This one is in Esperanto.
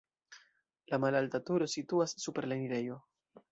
La malalta turo situas super la enirejo.